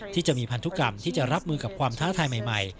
ที่จะมีพันธุกรรมที่จะรับมือกับความท้าทายใหม่